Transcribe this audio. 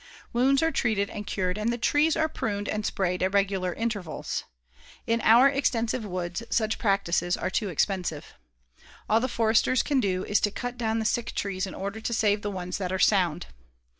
Wounds are treated and cured and the trees are pruned and sprayed at regular intervals. In our extensive woods such practices are too expensive. All the foresters can do is to cut down the sick trees in order to save the ones that are sound.